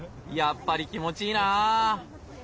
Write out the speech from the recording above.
やっぱり気持ちいいな。